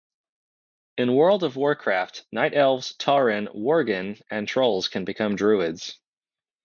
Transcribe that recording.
In "World of Warcraft", Night Elves, Tauren, Worgen, and Trolls can become druids.